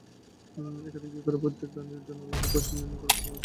একাধিক বিয়ে করায় প্রত্যেক রানীর জন্য আলাদা প্রাসাদ নির্মাণ করেছিলেন রামজীবন।